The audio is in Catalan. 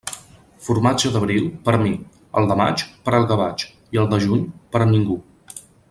Formatge d'abril, per a mi; el de maig, per al gavatx, i el de juny, per a ningú.